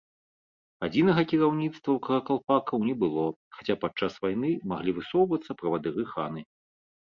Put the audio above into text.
Адзінага кіраўніцтва ў каракалпакаў не было, хаця падчас вайны маглі высоўвацца правадыры-ханы.